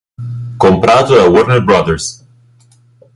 Comprato da Warner Bros.